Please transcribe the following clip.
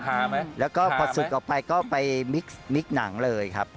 ฮาไหมฮาไหมแล้วก็พอสุดก่อนไปก็ไปมิกหนังเลยครับ